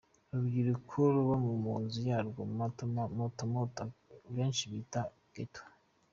urubyiruko ruba mu mazu yarwo mato mato benshi bita Ghettos.